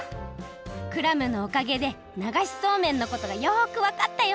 クラムのおかげでながしそうめんのことがよくわかったよ！